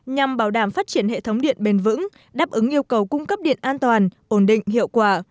nhằm bảo đảm phát triển hệ thống điện bền vững đáp ứng yêu cầu cung cấp điện an toàn ổn định hiệu quả